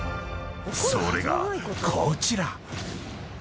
［それがこちら］